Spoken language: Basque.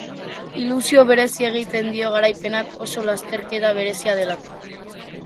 Ilusio berezia egiten dio garaipenak, oso lasterketa berezia delako.